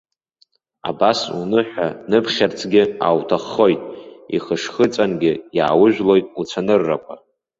Абас уныҳәа-ныԥхьарцгьы аауҭаххоит, ихышхыҵәангьы иааужәлоит уцәаныррақәа.